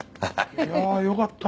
いやあよかった。